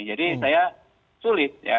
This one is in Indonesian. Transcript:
jadi saya sulit ya